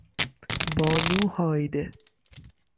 بانو هایده